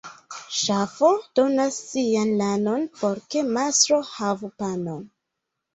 Ŝafo donas sian lanon, por ke mastro havu panon.